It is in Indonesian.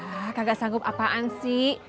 ah kagak sanggup apaan sih